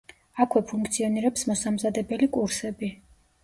აქვე ფუნქციონირებს მოსამზადებელი კურსები.